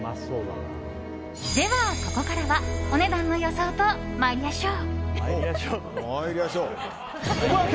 では、ここからはお値段の予想と参りやしょう。